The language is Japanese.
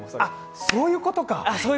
あっ、そういうことか！